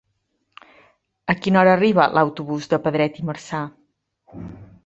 A quina hora arriba l'autobús de Pedret i Marzà?